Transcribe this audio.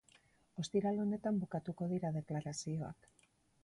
Ostiral honetan bukatuko dira deklarazioak.